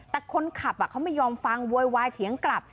แต่คนขับเขาไม่ยอมฟังโวยวายเถียงกลับ